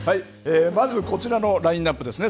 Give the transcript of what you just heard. まずこちらのラインナップですね。